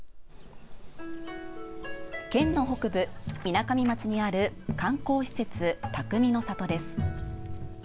県の北部みなかみ町にある観光施設たくみの里です。